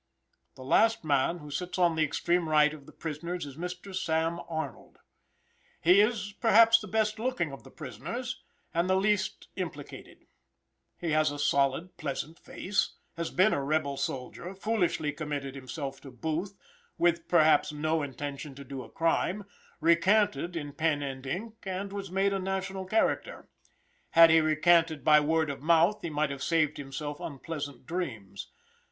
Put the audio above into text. The last man, who sits on the extreme right of the prisoners, is Mr. Sam. Arnold. He is, perhaps, the best looking of the prisoners, and the least implicated. He has a solid, pleasant face; has been a rebel soldier, foolishly committed himself to Booth, with perhaps no intention to do a crime, recanted in pen and ink, and was made a national character. Had he recanted by word of mouth he might have saved himself unpleasant dreams.